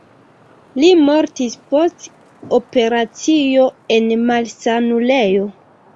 Li mortis post operacio en malsanulejo.